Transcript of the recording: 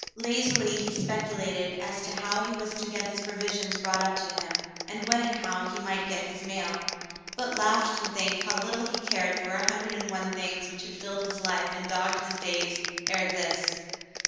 Lazily he speculated as to how he was to get his provisions brought up to him, and when and how he might get his mail, but laughed to think how little he cared for a hundred and one things which had filled his life and dogged his days ere this.